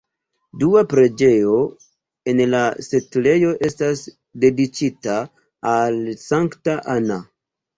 Dua preĝejo en la setlejo estas dediĉita al sankta Anna.